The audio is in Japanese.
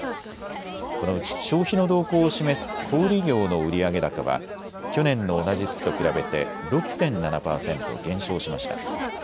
このうち消費の動向を示す小売業の売上高は去年の同じ月と比べて６．７％減少しました。